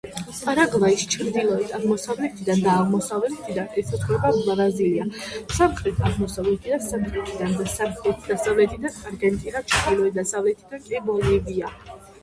პარაგვაის ჩრდილო-აღმოსავლეთიდან და აღმოსავლეთიდან ესაზღვრება ბრაზილია, სამხრეთ-აღმოსავლეთიდან, სამხრეთიდან და სამხრეთ-დასავლეთიდან არგენტინა, ჩრდილო-დასავლეთიდან კი ბოლივია.